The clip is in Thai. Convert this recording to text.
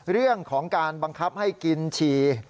เรื่องของการบังคับให้กินฉี่